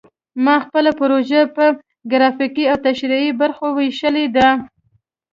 ما خپله پروژه په ګرافیکي او تشریحي برخو ویشلې ده